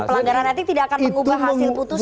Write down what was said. pelanggaran etik tidak akan mengubah hasil putusan